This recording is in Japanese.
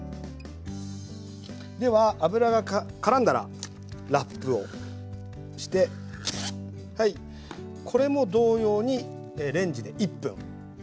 では油がからんだらラップをしてはいこれも同様にレンジで１分。